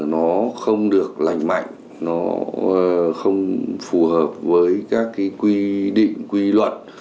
nó không được lành mạnh nó không phù hợp với các cái quy định quy luật